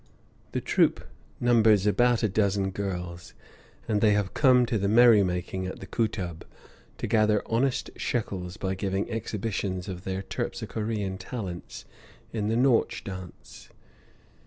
The troupe numbers about a dozen girls, and they have come to the merry making at the Kootub to gather honest shekels by giving exhibitions of their terpsichorean talents in the Nautch dance.